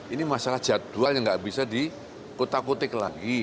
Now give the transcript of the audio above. ini masalah jadwal yang nggak bisa dikutak kutik lagi